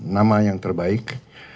nama yang terbaik